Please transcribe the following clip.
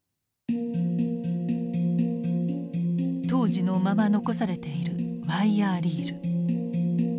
当時のまま残されているワイヤーリール。